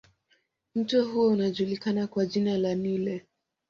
Mto huo unajulikana kwa jina la Nile